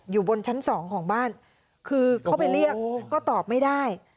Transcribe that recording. อยู่บนชั้นสองของบ้านคือเขาไปเรียกก็ตอบไม่ได้